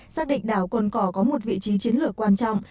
xác định đảo cồn cỏ có một vị trí chiến lược quan trọng